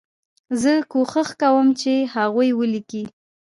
زه کوښښ کوم چې هغوی ولیکي.